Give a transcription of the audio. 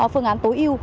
phương án tối ưu